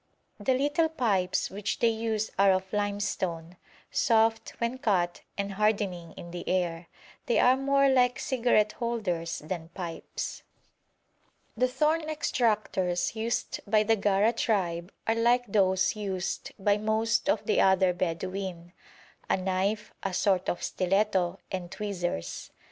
The little pipes which they use are of limestone, soft when cut and hardening in the air. They are more like cigarette holders than pipes. The thorn extractors used by the Gara tribe are like those used by most of the other Bedouin: a knife, a sort of stiletto, and tweezers.